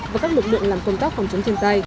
và các lực lượng làm công tác phòng chống chiến tay